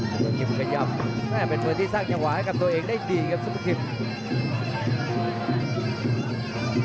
ตัวหยิบขยับแม่เป็นตัวที่สร้างจังหวะให้กับตัวเองได้ดีครับสุภาทิพย์